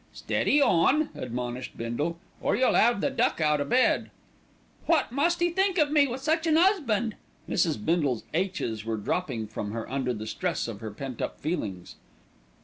"Steady on," admonished Bindle, "or you'll 'ave the Duck out o' bed." "What must 'e think of me with such an 'usband?" Mrs. Bindle's aitches were dropping from her under the stress of her pent up feelings.